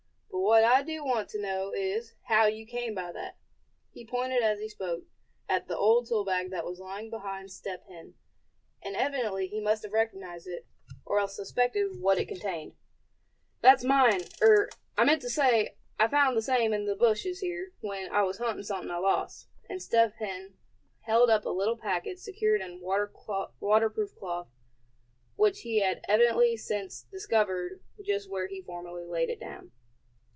But what I do want to know is, how came you by that?" He pointed as he spoke at the old tool bag that was lying beside Step Hen; and evidently he must have recognized it, or else suspected what it contained. "That's mine—er, I mean to say I found the same in the bushes here, when I was huntin' something I lost," and Step Hen held up a little packet secured in waterproof cloth, which he had evidently since discovered, just where he formerly laid it down.